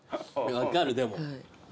分かるでも。